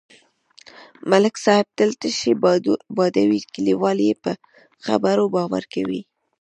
ملک صاحب تل تشې بادوي، کلیوال یې په خبرو باور کوي.